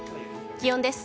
気温です。